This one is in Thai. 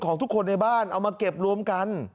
ของทุกคนในบ้านเอามาเก็บรวมกัน